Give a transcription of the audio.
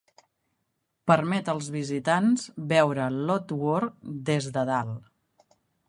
Permet als visitants veure Lotte World des de dalt.